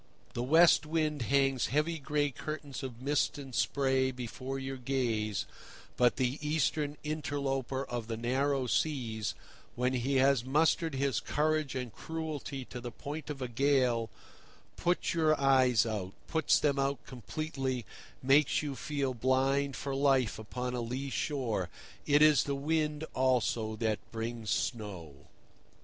The West Wind hangs heavy gray curtains of mist and spray before your gaze, but the Eastern interloper of the narrow seas, when he has mustered his courage and cruelty to the point of a gale, puts your eyes out, puts them out completely, makes you feel blind for life upon a lee shore. It is the wind, also, that brings snow.